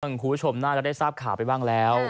คุณผู้ชมน่าจะได้ทราบข่าวไปบ้างแล้ว